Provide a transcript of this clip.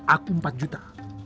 aku empat juta